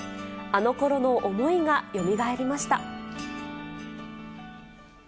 あのころの思いがよみがえりました。